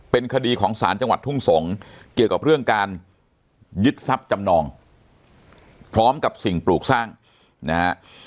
เป็นคดีของศาลจังหวัดทุ่งสงศ์เกี่ยวกับเรื่องการยึดทรัพย์จำนองพร้อมกับสิ่งปลูกสร้างนะฮะ